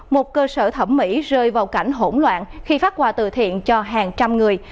một cơ sở thẩm mỹ rơi vào cảnh hỗn loạn khi phát quà từ thiện cho hàng trăm người